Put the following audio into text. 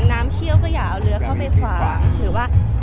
น้ำเชี่ยวก็อย่าเอาเรือเข้าไปขวา